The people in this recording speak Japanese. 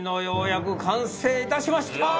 ようやく完成いたしました！